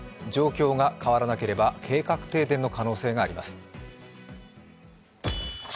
状況が変わらなければ計画停電の可能性があります。